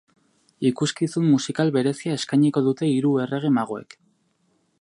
Ikuskizun musikal berezia eskainiko dute hiru errege magoek.